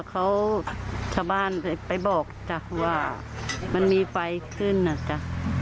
ก็เขาทะบานไปบอกจ๊ะว่ามันมีไฟขึ้นอะจ๊ะ